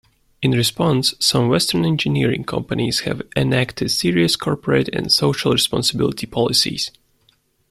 In response, some western engineering companies have enacted serious corporate and social responsibility policies.